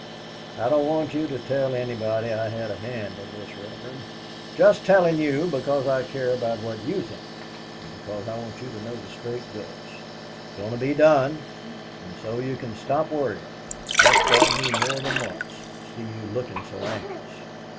"I don't want you to tell anybody I had a hand in this, Reverend. Just tellin' you because I care about what you think, and because I want you to know the straight goods. It's goin' to be done, and so you can stop worryin'. That's got me more than once see you lookin' so anxious.